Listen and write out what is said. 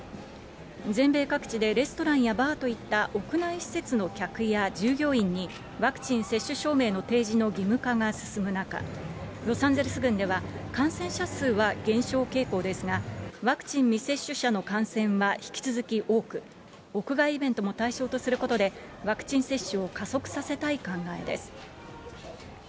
全米各地でレストランやバーといった屋内施設の客や従業員に、ワクチン接種証明の提示の義務化が進む中、ロサンゼルス郡では、感染者数は減少傾向ですが、ワクチン未接種者の感染は引き続き多く、屋外イベントも対象とすることで、ワクチン接種を加速させたい考えです。